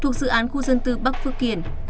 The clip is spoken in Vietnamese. thuộc dự án khu dân tư bắc phước kiển